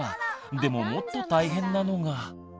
でももっと大変なのが。